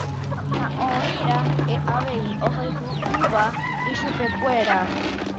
Ha oira'e avei ohayhu'ỹva ichupekuéra.